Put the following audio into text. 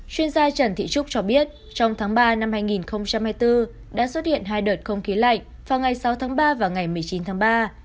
chuyên gia trần thị trúc cho biết trong tháng ba năm hai nghìn hai mươi bốn đã xuất hiện hai đợt không khí lạnh vào ngày sáu tháng ba và ngày một mươi chín tháng ba